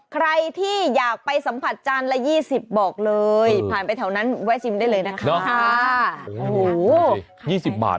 ใครที่อยากไปสัมผัสจานละ๒๐บอกเลยผ่านไปแถวนั้นแวะชิมได้เลยนะคะ